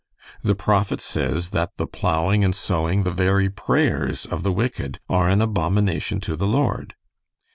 "The prophet says that the plowing and sowing, the very prayers, of the wicked are an abomination to the Lord."